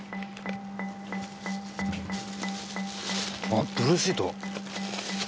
あっブルーシート。